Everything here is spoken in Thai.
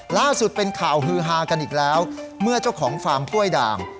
ล่าสุดเป็นข่าวฮือฮากันอีกแล้วเมื่อเจ้าของฟาร์มกล้วยด่าง